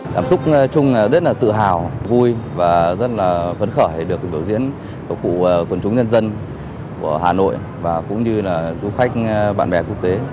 tạm xúc chung rất tự hào vui và rất phấn khởi được đội diễn phục vụ quần chúng nhân dân của hà nội và cũng như du khách bạn bè quốc tế